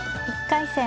１回戦